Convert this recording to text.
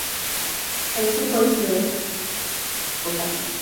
A los cinco años de edad su familia se trasladó a Bogotá.